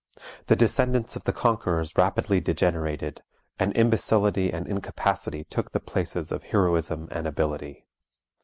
The descendants of the conquerors rapidly degenerated, and imbecility and incapacity took the places of heroism and ability.